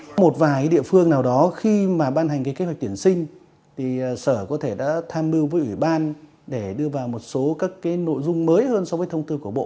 có một vài địa phương nào đó khi mà ban hành cái kế hoạch tuyển sinh thì sở có thể đã tham mưu với ủy ban để đưa vào một số các cái nội dung mới hơn so với thông tư của bộ